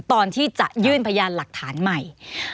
ตอนที่จะยื่นพยานหลักฐานใหม่